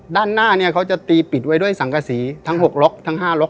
ด้านหน้าเนี่ยเขาจะตีปิดไว้ด้วยสังกษีทั้ง๖ล็อกทั้ง๕ล็อก